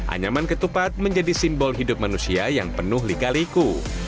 anyaman ketupat menjadi simbol hidup manusia yang penuh lika liku